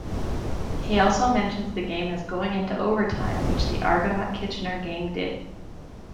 He also mentions the game as going into overtime which the Argonaut-Kitchener game did.